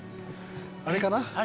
あれかな？